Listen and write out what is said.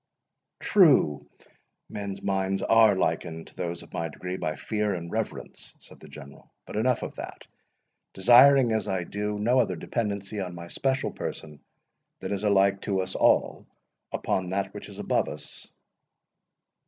"True; men's minds are likened to those of my degree by fear and reverence," said the General;—"but enough of that, desiring, as I do, no other dependency on my special person than is alike to us all upon that which is above us.